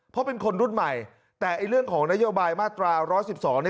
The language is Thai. เพราะเป็นคนรุ่นใหม่แต่เรื่องของนโยบายมาตรา๑๑๒เนี่ย